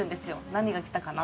何がきたかな？